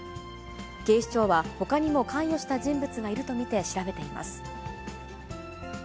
警視庁は、ほかにも関与した人物がいると見て、調べています。